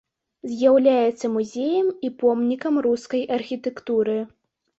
З'яўляецца музеем і помнікам рускай архітэктуры.